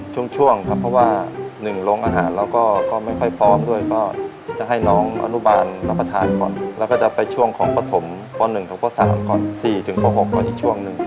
ช่วงนะคะเพราะว่าหนึ่งล้งอาหารแล้วก็ไม่ค่อยพร้อมด้วยก็จะให้น้องอุปนุภาณมาพัดหาดก่อนแล้วก็จะไปช่วงของปฐมป๑๓ก่อน๔ถึงป๖ไปส่วนอีกช่วงนึง